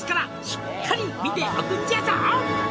「しっかり見ておくんじゃぞ」